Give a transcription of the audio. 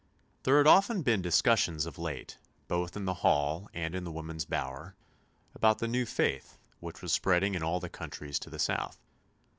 There had often been discussions of late, both in the hall and in the women's bower, about the new faith which was spreading in all the countries to the south.